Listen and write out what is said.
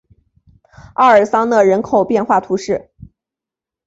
奥尔桑讷人口变化图示